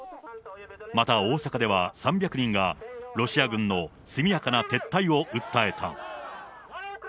また大阪では、３００人がロシア軍の速やかな撤退を訴えた。